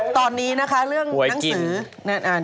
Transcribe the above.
ตอนนี้นะคะเรื่องหนังสือ